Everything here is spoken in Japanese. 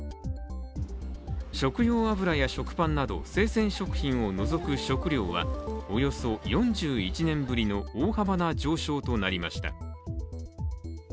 食用油や食パンなど、生鮮食品を除く食料はおよそ４１年ぶりの大幅な上昇となりました。